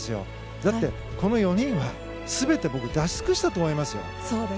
だって、この４人は全て出し尽くしたと思いますよ。